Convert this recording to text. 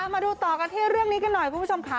มาดูต่อกันที่เรื่องนี้กันหน่อยคุณผู้ชมค่ะ